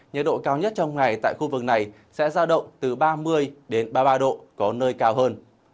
nhật độ cao nhất trong ngày tại khu vực này sẽ ra động từ ba mươi đến ba mươi ba độ có nơi cao hơn